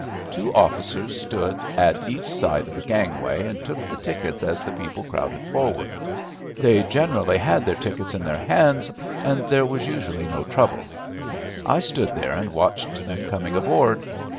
Two officers stood at each side of the gangway and took the tickets as the people crowded forward. They generally had their tickets in their hands and there was usually no trouble. I stood there and watched them coming aboard.